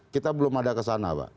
kita belum ada kesana pak